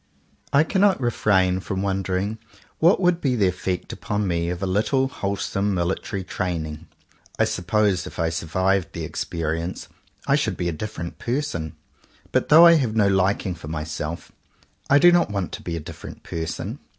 I cannot refrain from wondering what would be the effect upon me of a little wholesome military training. I suppose if I survived the experience, I should be a different person. But though I have no liking for myself, I do not want to be a dif ferent person.